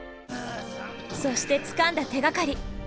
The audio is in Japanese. そしてつかんだ手がかり。